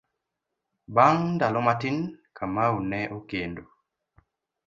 Bang' ndalo matin, Kamau ne okendo.